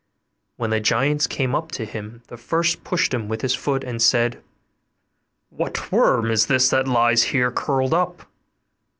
When the giants came up to him, the first pushed him with his foot, and said, 'What worm is this that lies here curled up?